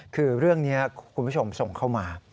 คือเรื่องนี้คุณผู้ชมส่งเข้ามา